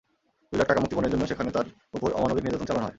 দুই লাখ টাকা মুক্তিপণের জন্য সেখানে তাঁর ওপর অমানবিক নির্যাতন চালানো হয়।